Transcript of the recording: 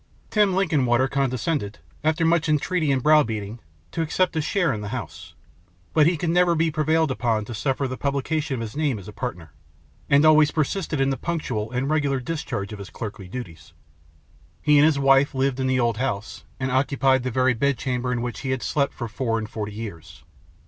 Tim Linkinwater condescended, after much entreaty and brow beating, to accept a share in the house; but he could never be prevailed upon to suffer the publication of his name as a partner, and always persisted in the punctual and regular discharge of his clerkly duties. He and his wife lived in the old house, and occupied the very bedchamber in which he had slept for four and forty years.